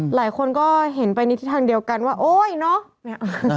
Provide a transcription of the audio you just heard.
หลายคนก็เห็นไปในทิศทางเดียวกันว่าโอ๊ยเนาะ